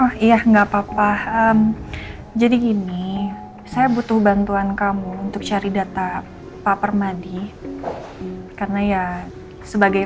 oh iya enggak apa apa jadi gini saya butuh bantuan kamu untuk cari data pak permadi karena ya sebagai